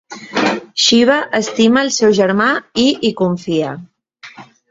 Shiva estima el seu germà i hi confia.